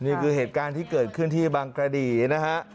นี่คือเหตุการณ์ที่เกิดขึ้นที่บางกระดีนะฮะ